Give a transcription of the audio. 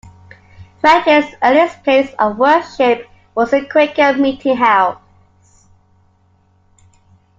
Frenchay's earliest place of worship was the Quaker Meeting House.